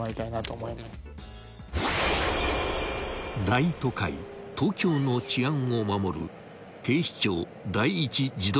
［大都会東京の治安を守る］